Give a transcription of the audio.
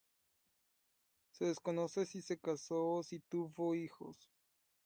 Se desconoce si se caso o si tuvo hijos.